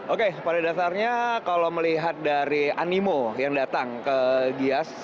oke pada dasarnya kalau melihat dari animo yang datang ke gias